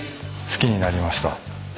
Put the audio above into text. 好きになりました。